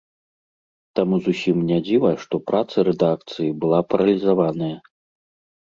Таму зусім не дзіва, што праца рэдакцыі была паралізаваная.